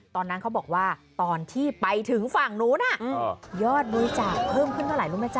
ตอนนั้นเขาบอกว่าตอนที่ไปถึงฝั่งนู้นยอดบริจาคเพิ่มขึ้นเท่าไหร่รู้ไหมจ